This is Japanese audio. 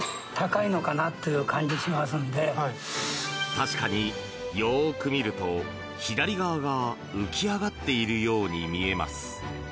確かによく見ると左側が浮き上がっているように見えます。